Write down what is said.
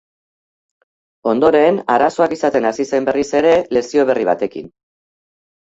Ondoren arazoak izaten hasi zen berriz ere lesio berri batekin.